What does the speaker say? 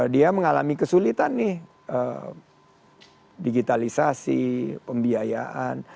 dia mengalami kesulitan nih digitalisasi pembiayaan